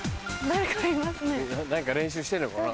何か練習してんのかな？